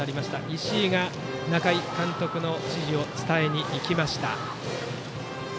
石井が仲井監督の指示を伝えに行きました。